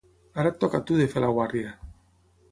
Ara et toca a tu de fer la guàrdia.